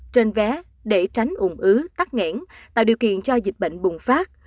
trên vé để tránh ủng ứ tắc nghẽn tạo điều kiện cho dịch bệnh bùng phát